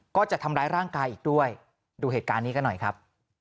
ก็จะทำร้ายร่างกายอีกด้วยดูเหตุการณ์นี้กันหน่อยครับ